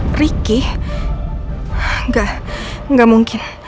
terima kasih banyak banyak teman teman yang beruntung ke support finished